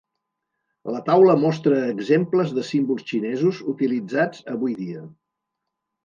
La taula mostra exemples de símbols xinesos utilitzats avui dia.